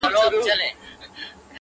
• گوره ځوانـيمـرگ څه ښـه وايــي؛